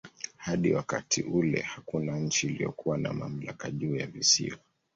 Hadi wakati ule hakuna nchi iliyokuwa na mamlaka juu ya visiwa.